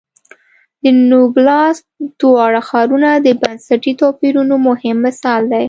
د نوګالس دواړه ښارونه د بنسټي توپیرونو مهم مثال دی.